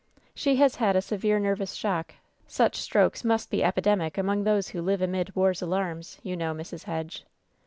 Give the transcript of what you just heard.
"She has had a severe nervous shock. Such strokes must be epidemic among those who live amid Var's alarms,' you know, Mrs. Hedge."